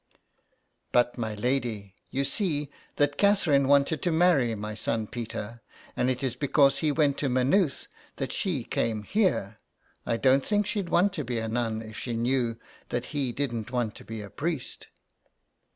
" But, my lady, you see that Catherine wanted to marry my son Peter, and it is because he went to Maynooth that she came here. I don't think she'd want to be a nun if she knew that he didn't want to be a priest."